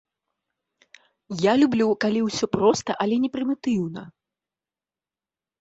Я люблю, калі ўсё проста, але не прымітыўна.